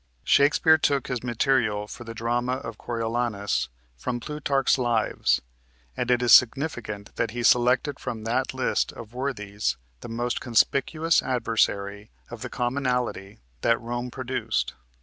Shakespeare took his material for the drama of "Coriolanus" from Plutarch's "Lives," and it is significant that he selected from that list of worthies the most conspicuous adversary of the commonalty that Rome produced.